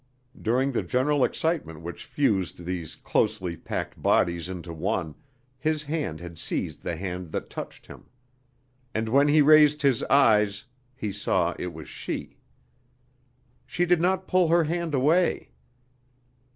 During the general excitement which fused these closely packed bodies into one, his hand had seized the hand that touched him. And when he raised his eyes he saw it was She. She did not pull her hand away.